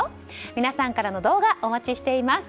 皆さんからの動画お待ちしています。